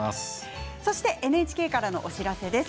そして、ＮＨＫからのお知らせです。